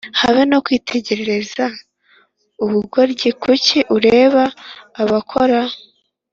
habe no kwitegereza ubugoryi Kuki ureba abakora